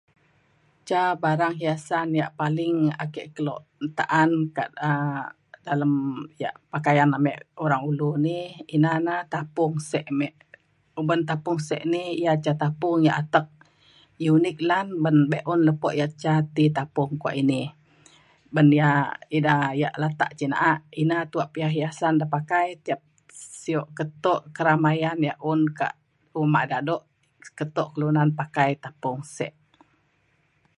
ca barang hiasan yak paling ake kelo ta'an kak um dalem um yak pakaian ame Orang Ulu ni ina na tapung sek mek. uban tapung sek ni ia ca tapung yak atek unik lan ban be'un lepo yak ca ti tapung kuak ini ban ia' ida yak latak cin na'a ina tuak perhiasan ida pakai tiap sio keto untuk keramaian yak un kak uma dado keto kelunan pakai tapung sek